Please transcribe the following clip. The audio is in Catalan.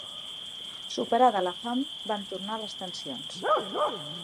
Superada la fam van tornar les tensions.